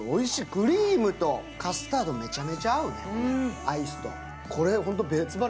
クリームとカスタードめちゃめちゃ合うね、アイスと。